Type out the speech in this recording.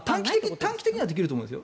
短期的にはできると思いますよ